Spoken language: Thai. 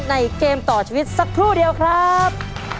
เกมต่อชีวิตสักครู่เดียวครับ